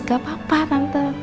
gak apa apa tante